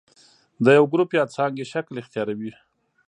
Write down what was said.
د یو ګروپ یا څانګې شکل اختیاروي.